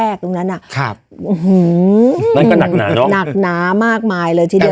อื้อหือนั่นก็หนักหนาเนอะหนักหนามากมายเลยทีเดียว